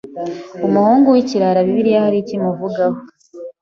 umuhungu w'ikirara bibiliya haricyo imuvugaho